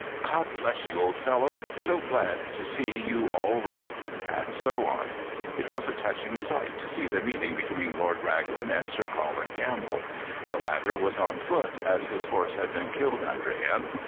'God bless you, old fellow! So glad to see you all right!' and so on. It was a touching sight to see the meeting between Lord Raglan and Sir Colin Campbell. The latter was on foot, as his horse had been killed under him.